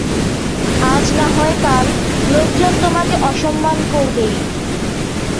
আজ না হয় কাল, লোকজন তোমাকে অসম্মান করবেই।